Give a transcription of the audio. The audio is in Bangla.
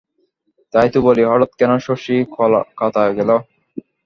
তাই তো বলি, হঠাৎ কেন শশী কলকাতা গেল।